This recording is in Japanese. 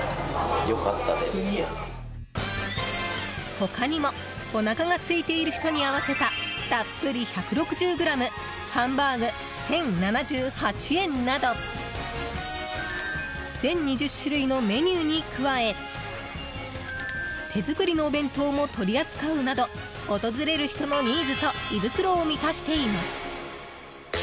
他にもおなかがすいている人に合わせたたっぷり１６０ｇハンバーグ、１０７８円など全２０種類のメニューに加え手作りのお弁当も取り扱うなど訪れる人のニーズと胃袋を満たしています。